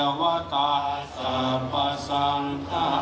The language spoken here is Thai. มันยาวทานษูจน์ทาง